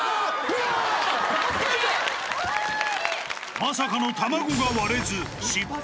まさかの卵が割れず、失敗。